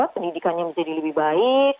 pendidikannya menjadi lebih baik